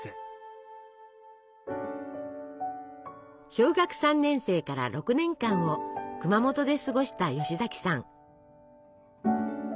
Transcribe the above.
小学３年生から６年間を熊本で過ごした吉崎さん。